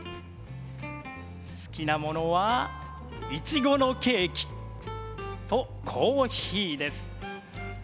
好きなものはいちごのケーキとコーヒーです。